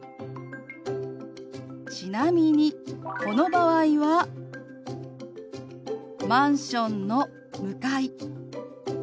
ちなみにこの場合は「マンションの向かい」。